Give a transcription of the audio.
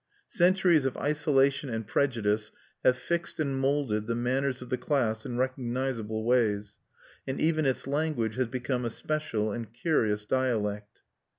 Centuries of isolation and prejudice have fixed and moulded the manners of the class in recognizable ways; and even its language has become a special and curious dialect.